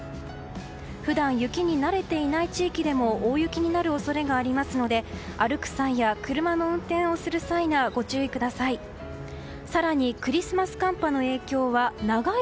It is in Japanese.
普段、雪に慣れていない地域でも大雪になる恐れがありますので歩く際や車の運転をする際にはご注意ください。